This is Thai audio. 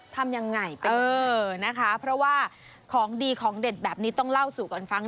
ทำยังไงเป็นเออนะคะเพราะว่าของดีของเด็ดแบบนี้ต้องเล่าสู่กันฟัง